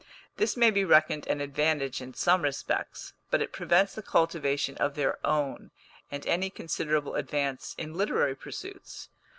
This may be reckoned an advantage in some respects; but it prevents the cultivation of their own, and any considerable advance in literary pursuits.